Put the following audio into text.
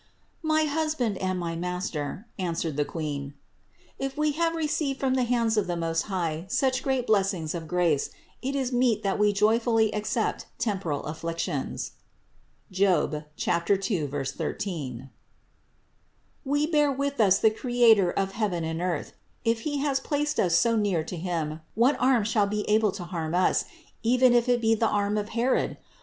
612. "My husband and my master," answered the Queen, "if we have received from the hands of the Most High such great blessings of grace, it is meet that we joyfully accept temporal afflictions (Job 2, 13). We bear with us the Creator of heaven and earth ; if He has placed us so near to Him, what arms shall be able to harm us, even if it be the arm of Herod?